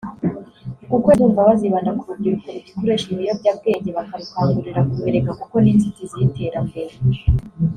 uku kwezi ndumva bazibanda ku rubyiruko rugikoresha ibiyobyabwenge bakarukangurira ku bireka kuko ni inzitizi y’iterambere